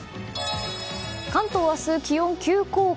関東は明日、気温急降下。